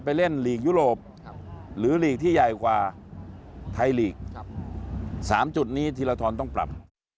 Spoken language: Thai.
ไปเล่นอูโรปหรืออีกที่ใหญ่กว่าไทยหลีก๓จุดนี้ทีเราต้องปรับ